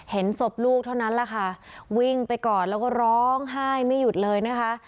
เห็นศพลูกเท่านั้นแหละค่ะวิ่งไปกอดแล้วก็ร้องไห้ไม่หยุดเลยนะคะ